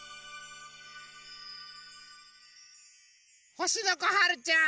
ほしのこはるちゃん！